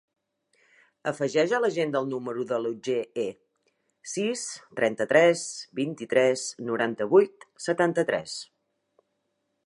Afegeix a l'agenda el número de l'Otger He: sis, trenta-tres, vint-i-tres, noranta-vuit, setanta-tres.